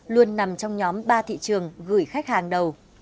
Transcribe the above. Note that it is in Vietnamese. luôn nằm trong nhóm ba thị trường gửi khách hàng đầu